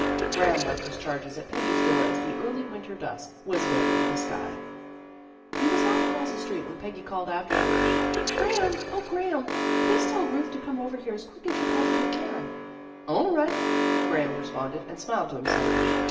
Graham left his charges at Peggy's door as the early winter dusk was veiling the sky. He was half across the street when Peggy called after him :" Graham! 0, Graham! Please tell Ruth to come over here as quick as she possibly can." " All right," Graham responded and smiled to himself.